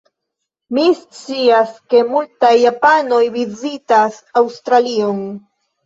Mi scias ke multaj japanoj vizitas Aŭstralion.